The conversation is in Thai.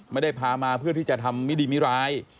ไม่ได้พามาเพื่อที่จะทำมิดีมิร้าย